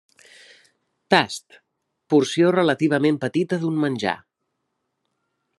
Tast, porció relativament petita d'un menjar.